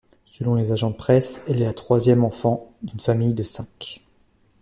Selon les agents de presse, elle est la troisième enfant d'une famille de cinq.